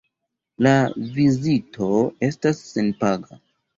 La vizito estas senpaga.